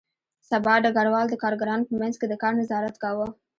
سبا ډګروال د کارګرانو په منځ کې د کار نظارت کاوه